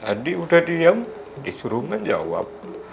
tadi udah diem disuruh menjawab